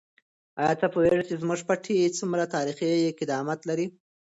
آیا ته پوهېږې چې زموږ پټی څومره تاریخي قدامت لري؟